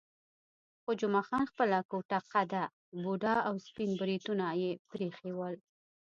خو جمعه خان خپله کوټه قده، بوډا او سپین بریتونه یې پرې ایښي ول.